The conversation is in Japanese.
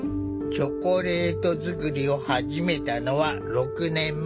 チョコレート作りを始めたのは６年前。